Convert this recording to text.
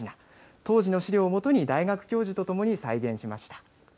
当時の資料を基に、大学教授とともに再現しました。